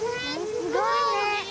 ・すごいね！